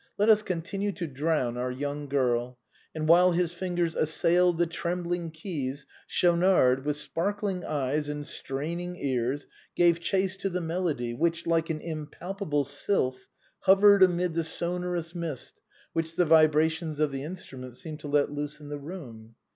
Let us continue to drown our young girl ;" and while his fingers assailed the trembling keys, Schaunard, with spark ling eyes and straining ears, gave chase to the melody which, like an impalpable sylph, hovered amid the sonorous mist which the vibrations of the instrument seemed to let loose in the room.